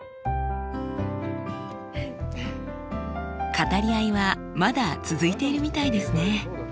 語り合いはまだ続いているみたいですね。